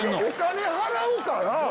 お金払うから！